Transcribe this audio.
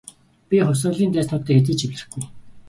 Би хувьсгалын дайснуудтай хэзээ ч эвлэрэхгүй.